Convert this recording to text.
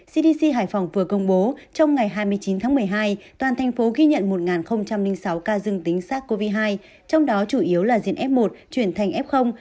cdc hải phòng vừa công bố trong ngày hai mươi chín tháng một mươi hai toàn thành phố ghi nhận một sáu ca dương tính sars cov hai trong đó chủ yếu là diện f một chuyển thành f